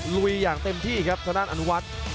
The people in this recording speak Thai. ลุยอย่างเต็มที่ครับทางด้านอนุวัฒน์